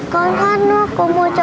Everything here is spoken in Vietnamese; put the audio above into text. con xin cô ạ